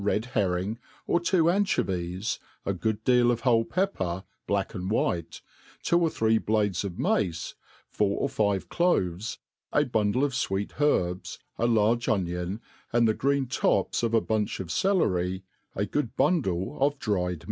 red herring, or two ancho« ^ ities, a good deal of whole pepper, bk^lc and white, two or three bJa^e^ of mace, four or iive c^ves, a bundle of fw^et lierbs, a large onion, and the green tops of a buncK of celery, a good bundle of dried.